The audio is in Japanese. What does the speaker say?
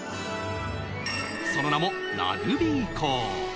その名もラグビー校。